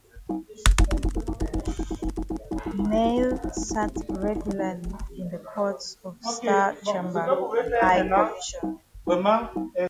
Neile sat regularly in the courts of Star Chamber and High Commission.